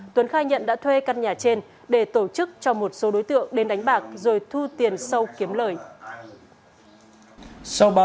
tuấn khai nhận đã thuê căn nhà trên để tổ chức cho một số đối tượng đến đánh bạc rồi thu tiền sâu kiếm lời